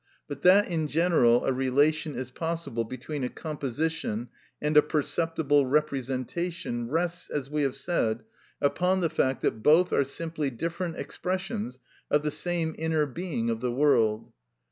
But that in general a relation is possible between a composition and a perceptible representation rests, as we have said, upon the fact that both are simply different expressions of the same inner being of the world.